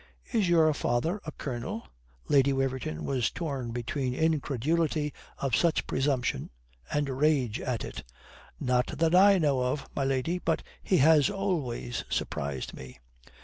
"Is your father a colonel?" Lady Waverton was torn between incredulity of such presumption and rage at it. "Not that I know of, my lady. But he has always surprised me."